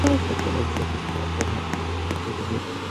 প্রথমে আলু সেদ্ধ করে আধ ভাঙা করে ভেঙে নিন।